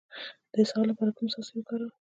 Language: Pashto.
د اسهال لپاره کوم څاڅکي وکاروم؟